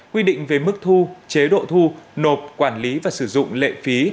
quy định về mức thu chế độ thu nộp quản lý và sử dụng lệ phí